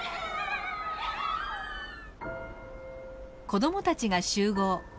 子どもたちが集合。